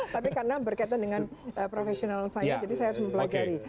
tapi karena berkaitan dengan profesional saya jadi saya harus mempelajari